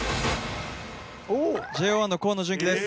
ＪＯ１の河野純喜です。